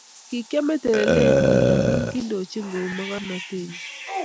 Kikiame netelechini amu kiindochin kou mogornotenyi